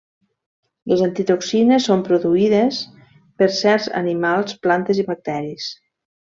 Les antitoxines són produïdes per certs animals, plantes i bacteris.